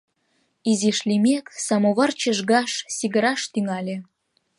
Изиш лиймек, самовар чыжгаш, сигыраш тӱҥале.